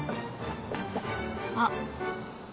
あっ！